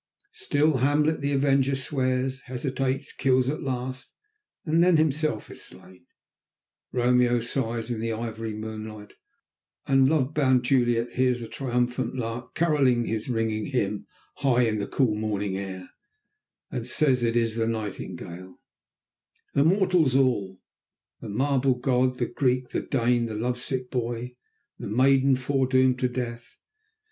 Still, Hamlet the Avenger swears, hesitates, kills at last, and then himself is slain; Romeo sighs in the ivory moonlight, and love bound Juliet hears the triumphant lark carolling his ringing hymn high in the cool morning air, and says it is the nightingale Immortals all, the marble god, the Greek, the Dane, the love sick boy, the maiden foredoomed to death.